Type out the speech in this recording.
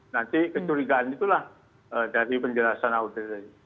nanti kecurigaan itulah dari penjelasan audi tadi